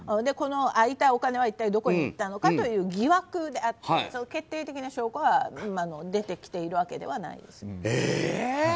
この空いたお金は一体どこに行ったのかという疑惑であって決定的な証拠は出てきているわけではないです。